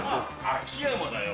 秋山だよ。